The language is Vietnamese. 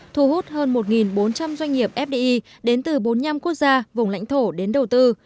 thu hút hơn một bốn trăm linh doanh nghiệp fdi đến từ bốn mươi năm quốc gia vùng lãnh thổ đến đầu tư